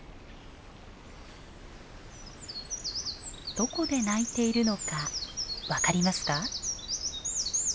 どこで鳴いているのか分かりますか？